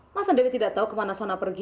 masa dewi tidak tahu kemana sona pergi